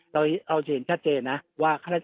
เราจะเห็นชัดเจนนะว่า